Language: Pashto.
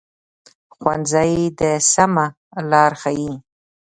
ښوونځی د سمه لار ښيي